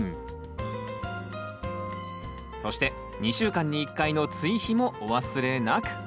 そして２週間に１回の追肥もお忘れなく！